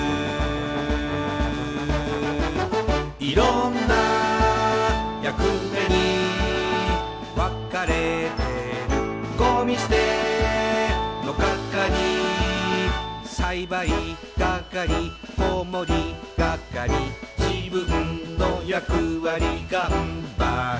「いろんな役目にわかれてる」「ごみすてのかかり」「栽培がかり子守りがかり」「じぶんのやくわりがんばる」